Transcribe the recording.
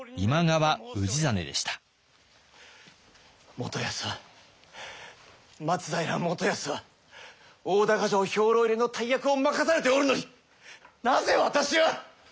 元康は松平元康は大高城兵糧入れの大役を任されておるのになぜ私は！